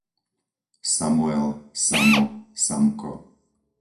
Samuel, Samo, Samko